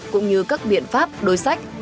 cũng như các biện pháp đối sách